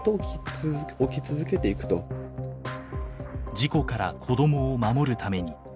事故から子どもを守るために。